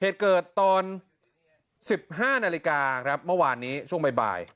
เหตุเกิดตอน๑๕นาฬิกาครับเมื่อวานนี้ช่วงบ่าย